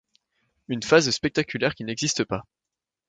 Une phase spectaculaire qui n’existe pas.